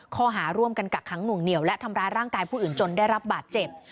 ข้อหาร่วมกันกักขังหน่วงเหนียวและทำร้ายร่างกายผู้อื่นจนได้รับบาดเจ็บ